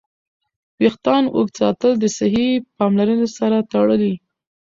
ویښتان اوږد ساتل د صحي پاملرنې سره تړلي.